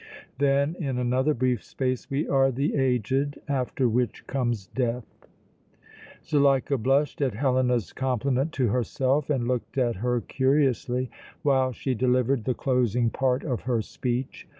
Then in another brief space we are the aged, after which comes death!" Zuleika blushed at Helena's compliment to herself and looked at her curiously while she delivered the closing part of her speech.